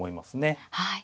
はい。